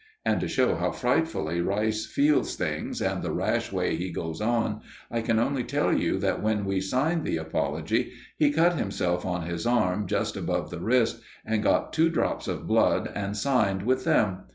And to show how frightfully Rice feels things and the rash way he goes on, I can only tell you that when we signed the apology, he cut himself on his arm, just above the wrist, and got two drops of blood and signed with them.